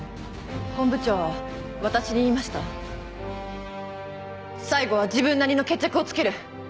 本部長は私に言いました「最後は自分なりの決着をつける」。